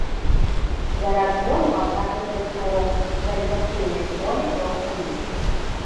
Для разгону апарат выкарыстоўваў гравітацыйнае поле трох планет.